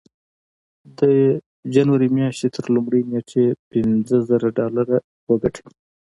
د جنوري مياشتې تر لومړۍ نېټې پينځه زره ډالر وګټئ.